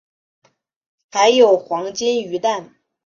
还有黄金鱼蛋